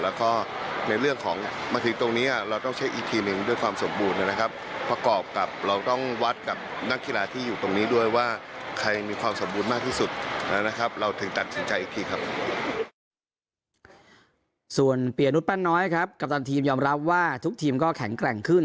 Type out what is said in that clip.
ส่วนเปียนุษยปั้นน้อยครับกัปตันทีมยอมรับว่าทุกทีมก็แข็งแกร่งขึ้น